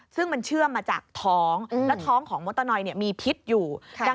ซึ่งมันเชื่อมมาจากท้องแล้วท้องของมดตะนอยมีพิษอยู่